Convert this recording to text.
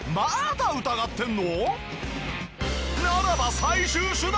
ならば最終手段！